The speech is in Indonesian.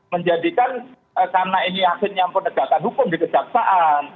menjadikan karena ini hasilnya penegakan hukum dikejaksaan